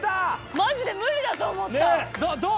マジで無理だと思ったどう？